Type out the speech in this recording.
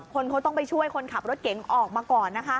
คนเขาต้องไปช่วยคนขับรถเก๋งออกมาก่อนนะคะ